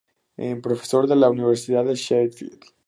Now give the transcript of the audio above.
Es profesor en la Universidad de Sheffield.